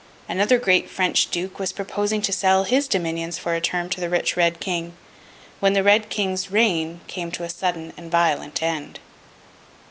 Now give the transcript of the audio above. Another great French Duke was proposing to sell his dominions for a term to the rich Red King, when the Red King's reign came to a sudden and violent end.